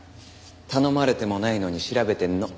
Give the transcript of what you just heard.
頼まれてもないのに調べてんの暇だから。